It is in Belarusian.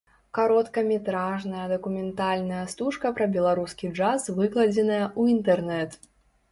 Кароткаметражная дакументальная стужка пра беларускі джаз выкладзеная ў інтэрнэт.